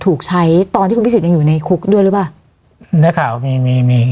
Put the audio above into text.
ถูกใช้ตอนที่คุณพิสิทธิยังอยู่ในคุกด้วยหรือเปล่านักข่าวมีมีมี